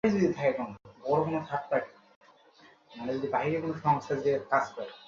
Orson আমার প্রস্তাব প্রত্যাখ্যান করল।